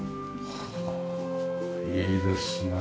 いいですね